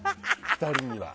２人には。